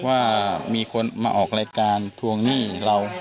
ว่ามีคนมาออกรายการทวงหนี้เรา